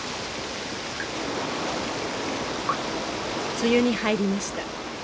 梅雨に入りました。